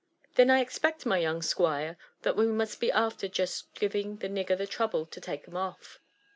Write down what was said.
.'* Then I expect, my young squire, that we must be after jest grvii^ the nigger the trouble to take 'em off.